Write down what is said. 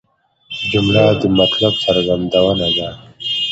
جمله د مطلب څرګندونه ده.